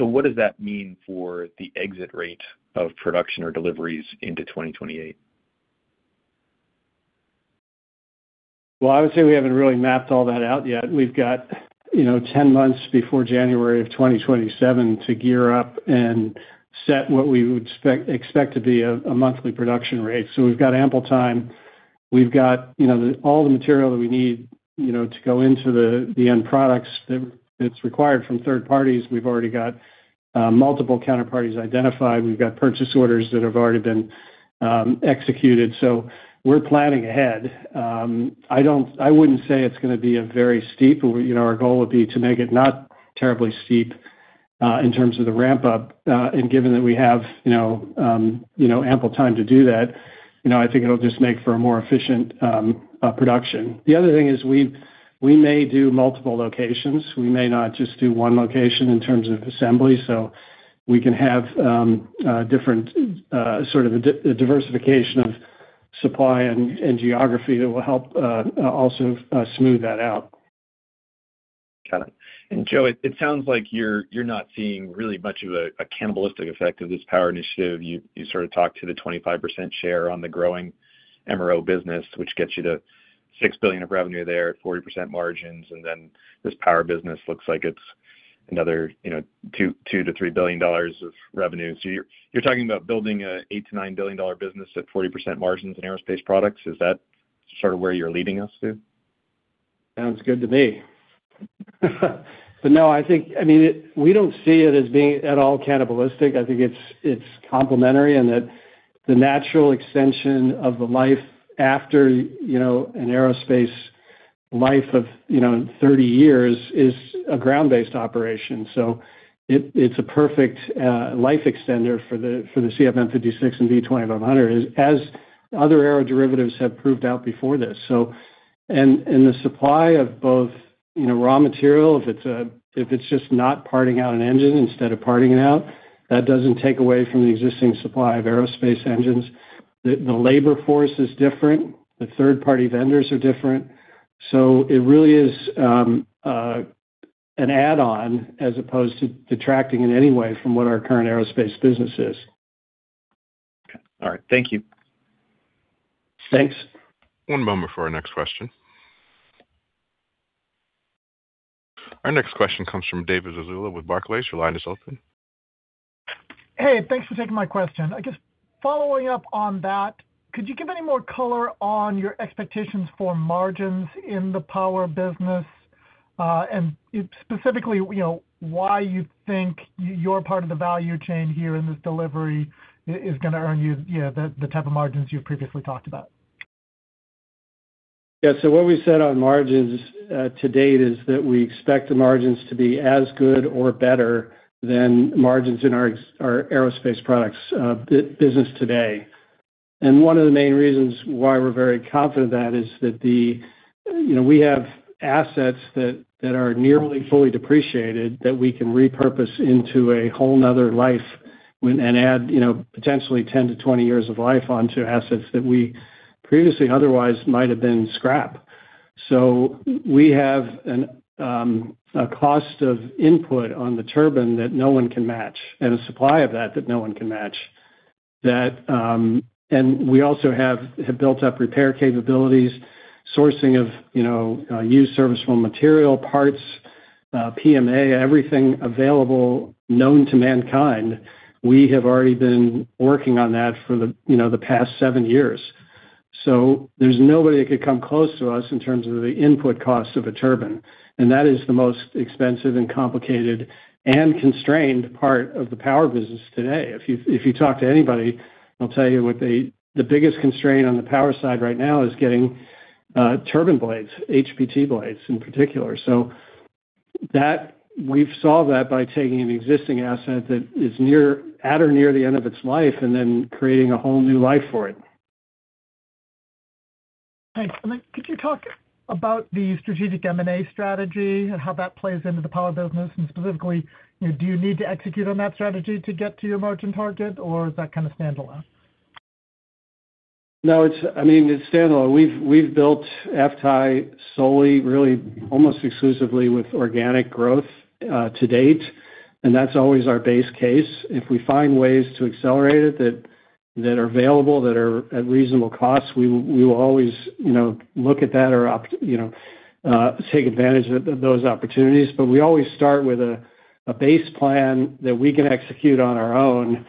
What does that mean for the exit rate of production or deliveries into 2028? Well, I would say we haven't really mapped all that out yet. We've got, you know, 10 months before January of 2027 to gear up and set what we would expect to be a monthly production rate. So we've got ample time. We've got, you know, all the material that we need, you know, to go into the end products that it's required from third parties. We've already got multiple counterparties identified. We've got purchase orders that have already been executed, so we're planning ahead. I wouldn't say it's going to be a very steep, you know, our goal would be to make it not terribly steep in terms of the ramp up. Given that we have, you know, you know, ample time to do that, you know, I think it'll just make for a more efficient production. The other thing is we may do multiple locations. We may not just do one location in terms of assembly, so we can have different sort of a diversification of supply and geography that will help also smooth that out. Got it. Joe, it sounds like you're not seeing really much of a cannibalistic effect of this power initiative. You sort of talked to the 25% share on the growing MRO business, which gets you to $6 billion of revenue there at 40% margins, and then this power business looks like it's another, you know, $2 billion-$3 billion of revenue. You're talking about building a $8 billion-$9 billion business at 40% margins in aerospace products. Is that sort of where you're leading us to? Sounds good to me. No, I think, I mean, we don't see it as being at all cannibalistic. I think it's complementary, and that the natural extension of the life after, you know, an aerospace life of, you know, 30 years is a ground-based operation. It's a perfect life extender for the CFM56 and V2500, as other aeroderivatives have proved out before this. And the supply of both, you know, raw material, if it's, if it's just not parting out an engine instead of parting it out, that doesn't take away from the existing supply of aerospace engines. The, the labor force is different, the third-party vendors are different, so it really is an add-on as opposed to detracting in any way from what our current aerospace business is. Okay. All right. Thank you. Thanks. One moment for our next question. Our next question comes from David Eslami with Barclays. Your line is open. Hey, thanks for taking my question. I guess following up on that, could you give any more color on your expectations for margins in the power business? Specifically, you know, why you think your part of the value chain here in this delivery is going to earn you know, the type of margins you've previously talked about? What we said on margins to date is that we expect the margins to be as good or better than margins in our aerospace products business today. One of the main reasons why we're very confident of that is that, you know, we have assets that are nearly fully depreciated, that we can repurpose into a whole another life and add, you know, potentially 10 to 20 years of life onto assets that we previously otherwise might have been scrap. We have a cost of input on the turbine that no one can match, and a supply of that that no one can match. That, and we also have built up repair capabilities, sourcing of, you know, used serviceable material parts, PMA, everything available, known to mankind. We have already been working on that for the, you know, the past seven years. There's nobody that could come close to us in terms of the input cost of a turbine, and that is the most expensive and complicated and constrained part of the power business today. If you talk to anybody, they'll tell you what the biggest constraint on the power side right now is getting turbine blades, HPT blades in particular. We've solved that by taking an existing asset that is at or near the end of its life and then creating a whole new life for it. Thanks. Then could you talk about the strategic M&A strategy and how that plays into the power business? Specifically, you know, do you need to execute on that strategy to get to your margin target, or is that kind of standalone? No, it's, I mean, it's standalone. We've built FTAI solely, really, almost exclusively with organic growth to date, and that's always our base case. If we find ways to accelerate it, that are available, that are at reasonable costs, we will always, you know, look at that or opt, you know, take advantage of those opportunities. We always start with a base plan that we can execute on our own,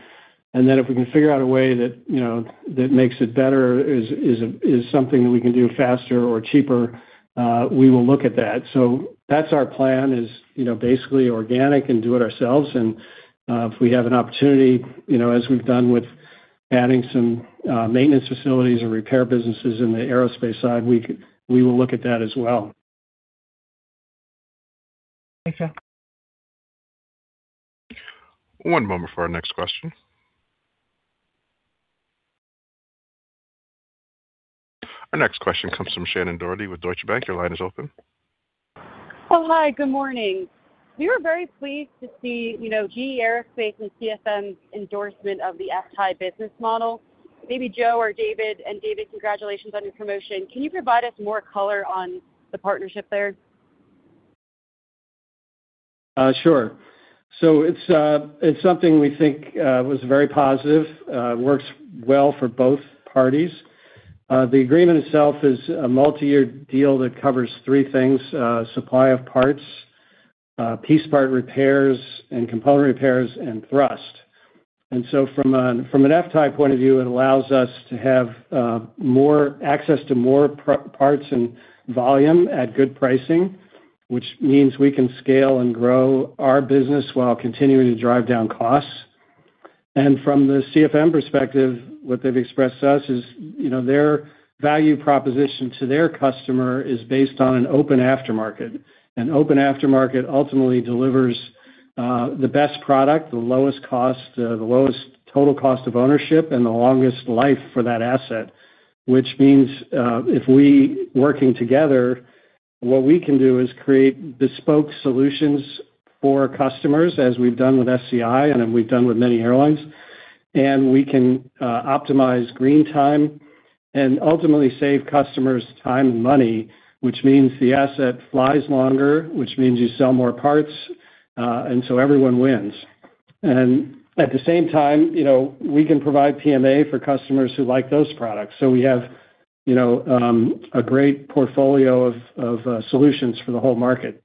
and then if we can figure out a way that, you know, that makes it better, is something that we can do faster or cheaper, we will look at that. That's our plan, is, you know, basically organic and do it ourselves. If we have an opportunity, you know, as we've done with adding some maintenance facilities or repair businesses in the aerospace side, we will look at that as well. Thanks, Joe. One moment for our next question. Our next question comes from Sathish Sivakumar with Deutsche Bank. Your line is open. Well, hi, good morning. We were very pleased to see, you know, GE Aerospace and CFM's endorsement of the FTAI business model. Maybe Joe or David, and David, congratulations on your promotion. Can you provide us more color on the partnership there? Sure. It's something we think, was very positive, works well for both parties. The agreement itself is a multiyear deal that covers three things: supply of parts, piece part repairs and component repairs and thrust. From an FTAI point of view, it allows us to have, more access to more parts and volume at good pricing, which means we can scale and grow our business while continuing to drive down costs. From the CFM perspective, what they've expressed to us is, you know, their value proposition to their customer is based on an open aftermarket. An open aftermarket ultimately delivers the best product, the lowest cost, the lowest total cost of ownership, and the longest life for that asset, which means if we working together, what we can do is create bespoke solutions for customers, as we've done with SCI and then we've done with many airlines, and we can optimize green time and ultimately save customers time and money, which means the asset flies longer, which means you sell more parts. Everyone wins. At the same time, you know, we can provide PMA for customers who like those products. We have, you know, a great portfolio of, solutions for the whole market.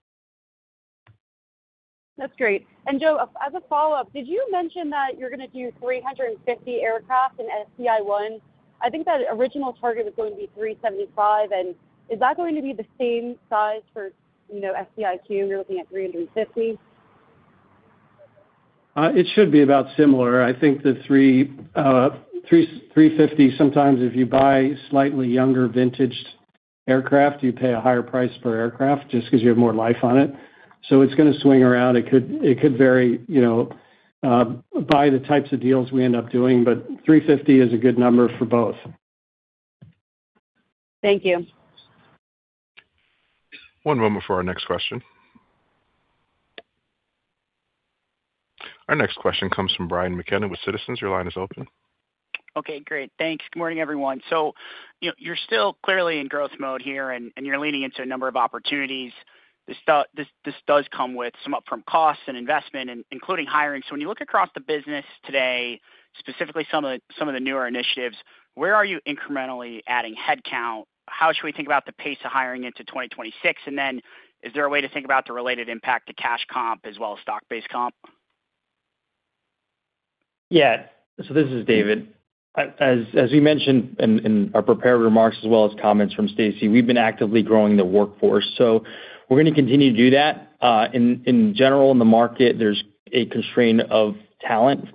That's great. Joe, as a follow-up, did you mention that you're gonna do 350 aircraft in SCI One? I think that original target was going to be 375. Is that going to be the same size for, you know, SCI Two, you're looking at 350? It should be about similar. I think the 350, sometimes if you buy slightly younger vintaged aircraft, you pay a higher price per aircraft, just because you have more life on it. It's gonna swing around. It could vary, you know, by the types of deals we end up doing, but 350 is a good number for both. Thank you. One moment for our next question. Our next question comes from Brian McKenna with Citizens. Your line is open. Okay, great. Thanks. Good morning, everyone. You're still clearly in growth mode here, and you're leaning into a number of opportunities. This does come with some upfront costs and investment, including hiring. When you look across the business today, specifically some of the newer initiatives, where are you incrementally adding headcount? How should we think about the pace of hiring into 2026? Is there a way to think about the related impact to cash comp as well as stock-based comp? Yeah. This is David. As we mentioned in our prepared remarks, as well as comments from Stacy, we've been actively growing the workforce, so we're going to continue to do that. In general, in the market, there's a constraint of talent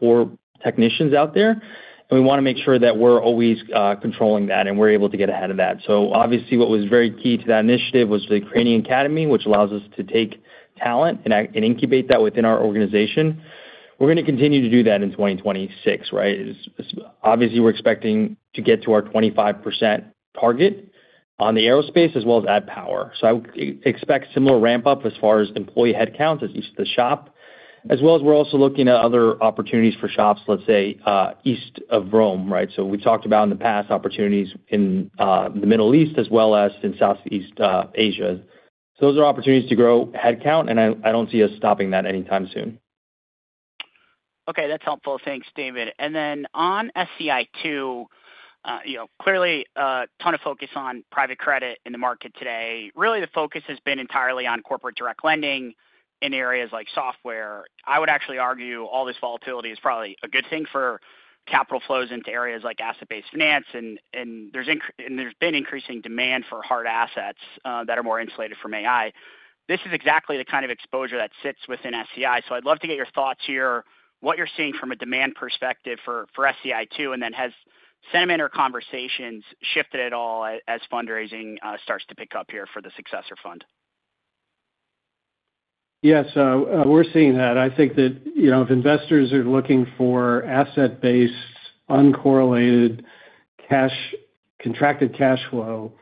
for technicians out there. We want to make sure that we're always controlling that, and we're able to get ahead of that. Obviously, what was very key to that initiative was the Cranium Academy, which allows us to take talent and incubate that within our organization. We're going to continue to do that in 2026, right? Obviously, we're expecting to get to our 25% target on the aerospace as well as add power. I would expect similar ramp-up as far as employee headcount as the shop, as well as we're also looking at other opportunities for shops, let's say, east of Rome, right? We talked about in the past, opportunities in the Middle East as well as in Southeast Asia. Those are opportunities to grow headcount, and I don't see us stopping that anytime soon. Okay, that's helpful. Thanks, David. On SCI Two, you know, clearly, a ton of focus on private credit in the market today. Really, the focus has been entirely on corporate direct lending in areas like software. I would actually argue all this volatility is probably a good thing for capital flows into areas like asset-based finance, and there's been increasing demand for hard assets that are more insulated from AI. This is exactly the kind of exposure that sits within SCI, so I'd love to get your thoughts here, what you're seeing from a demand perspective for SCI Two, and then has sentiment or conversations shifted at all as fundraising starts to pick up here for the successor fund? Yes, we're seeing that. I think that, you know, if investors are looking for asset-based, uncorrelated, contracted cash flow,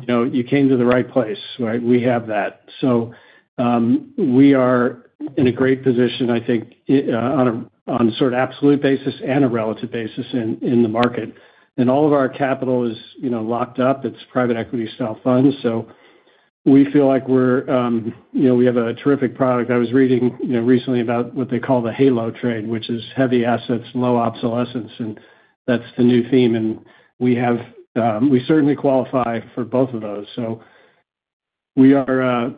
you know, you came to the right place, right? We have that. We are in a great position, I think, on a sort of absolute basis and a relative basis in the market. All of our capital is, you know, locked up. It's private equity-style funds, so we feel like we're, you know, we have a terrific product. I was reading, you know, recently about what they call the HALO trade, which is heavy assets, low obsolescence, and that's the new theme, and we have, we certainly qualify for both of those. We are,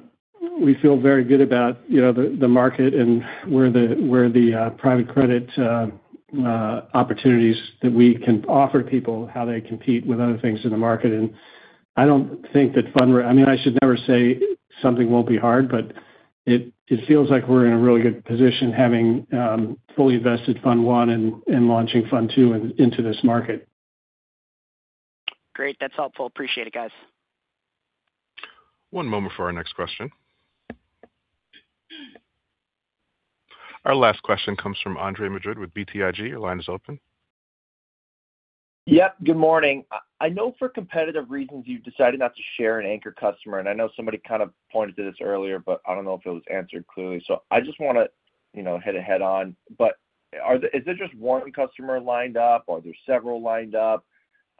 we feel very good about, you know, the market and where the private credit opportunities that we can offer people, how they compete with other things in the market. I don't think that I mean, I should never say something won't be hard, but it feels like we're in a really good position having fully invested fund one and launching fund two into this market. Great, that's helpful. Appreciate it, guys. One moment for our next question. Our last question comes from Andrew Maller with BTIG. Your line is open. Yep, good morning. I know for competitive reasons you've decided not to share an anchor customer, and I know somebody kind of pointed to this earlier, but I don't know if it was answered clearly, so I just wanna, you know, hit it head on. Is there just 1 customer lined up, or are there several lined up?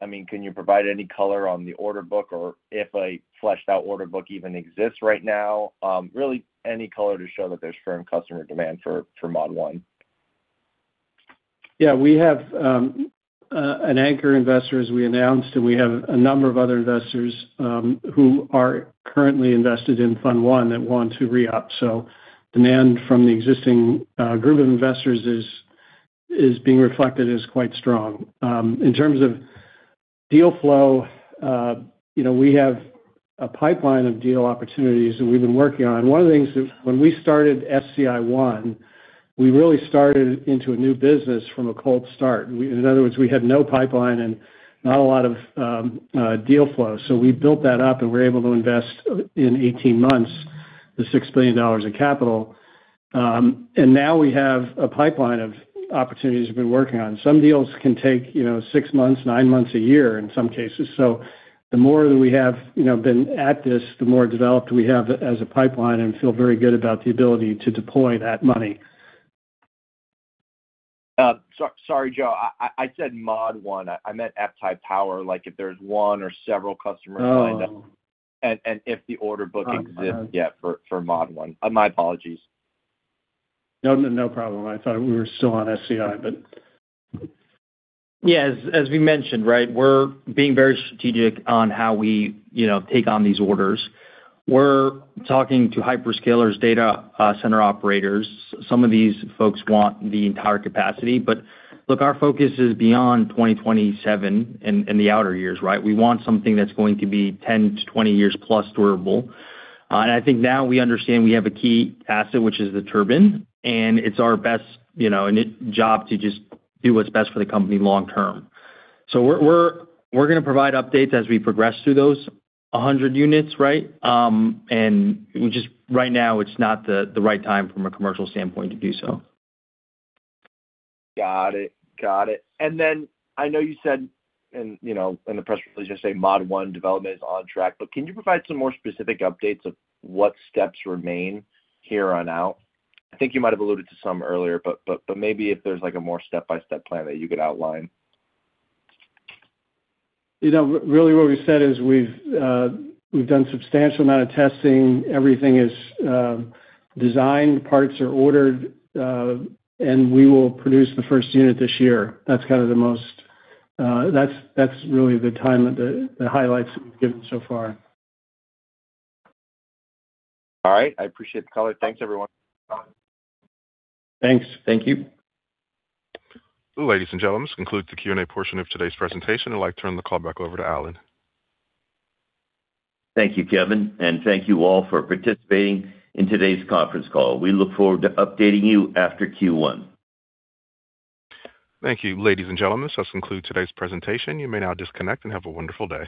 I mean, can you provide any color on the order book or if a fleshed-out order book even exists right now? really, any color to show that there's firm customer demand for Mod-1. We have an anchor investor, as we announced, and we have a number of other investors who are currently invested in fund one that want to re-up. Demand from the existing group of investors is being reflected as quite strong. In terms of deal flow, you know, we have a pipeline of deal opportunities that we've been working on. One of the things that when we started SCI One, we really started into a new business from a cold start. We, in other words, we had no pipeline and not a lot of deal flow. We built that up, and we're able to invest in 18 months, the $6 billion in capital. Now we have a pipeline of opportunities we've been working on. Some deals can take, you know, six months, nine months, a year in some cases. The more that we have, you know, been at this, the more developed we have as a pipeline and feel very good about the ability to deploy that money. Sorry, Joe. I said Mod-1. I meant FTAI Power, like, if there's one or several customers lined up... Oh. If the order book exists yet for Mod-1. My apologies. No, no problem. I thought we were still on SCI, but As we mentioned, we're being very strategic on how we, you know, take on these orders. We're talking to hyperscalers data center operators. Some of these folks want the entire capacity. Look, our focus is beyond 2027 and the outer years. We want something that's going to be 10 to 20 years plus durable. I think now we understand we have a key asset, which is the turbine, and it's our best, you know, job to just do what's best for the company long term. We're gonna provide updates as we progress through those 100 units. Right now, it's not the right time from a commercial standpoint to do so. Got it. I know you said, and, you know, in the press release, you say Mod-1 development is on track, but can you provide some more specific updates of what steps remain here on out? I think you might have alluded to some earlier, but maybe if there's, like, a more step-by-step plan that you could outline. You know, really what we said is we've done substantial amount of testing. Everything is designed, parts are ordered, and we will produce the first unit this year. That's kind of the most. That's really the timeline, the highlights given so far. All right, I appreciate the color. Thanks, everyone. Thanks. Thank you. Ladies and gentlemen, this concludes the Q&A portion of today's presentation. I'd like to turn the call back over to Alan. Thank you, Kevin, and thank you all for participating in today's conference call. We look forward to updating you after Q1. Thank you, ladies and gentlemen, this does conclude today's presentation. You may now disconnect and have a wonderful day.